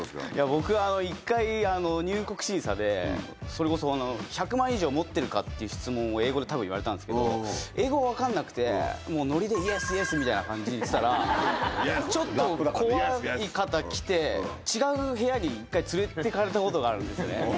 僕は一回、入国審査で、それこそ１００万以上持っているかという質問を英語でたぶん言われたんですけど、英語が分かんなくて、もうのりで、イエス、イエスみたいな感じで言ってたら、ちょっと怖い方来て、違う部屋に一回連れていかれたことがあるんですよね。